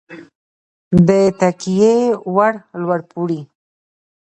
د تکیې وړ لوړ پوړی